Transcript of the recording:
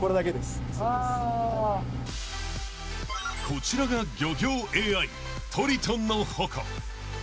［こちらが漁業ＡＩトリトンの矛］